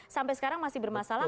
sampai sekarang masih bermasalah